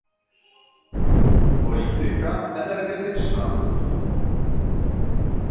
Polityka energetyczna